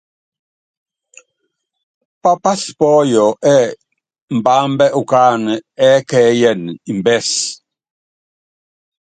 Pápási pɔ́yɔ ɛ́ɛ́ mbambɛ́ ukánɛ ɛ́kɛ́yɛnɛ mbɛ́s.